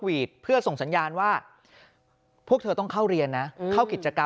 เพื่อส่งสัญญาณว่าพวกเธอต้องเข้าเรียนนะเข้ากิจกรรม